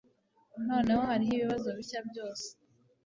Noneho hariho ibibazo bishya byose